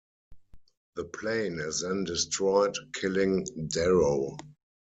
The plane is then destroyed, killing Darrow.